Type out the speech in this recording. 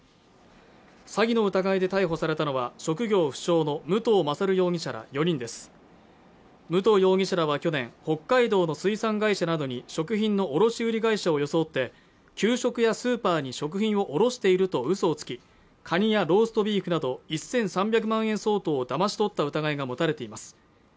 詐欺の疑いで逮捕されたのは職業不詳の武藤勝容疑者ら４人です武藤容疑者らは去年北海道の水産会社などに食品の卸売会社を装って給食やスーパーに食品を卸していると嘘をつきカニやローストビーフなど１３００万円相当をだまし取った疑いが持たれています